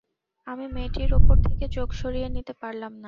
আমি মেয়েটির উপর থেকে চোখ সরিয়ে নিতে পারলাম না।